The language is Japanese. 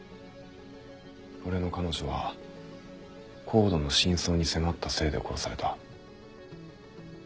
俺の彼女はＣＯＤＥの真相に迫ったせいで殺された。